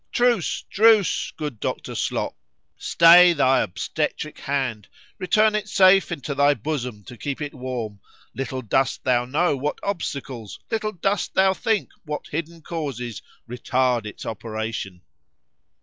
Truce!—truce, good Dr. Slop!—stay thy obstetrick hand;——return it safe into thy bosom to keep it warm;——little dost thou know what obstacles,——little dost thou think what hidden causes, retard its operation!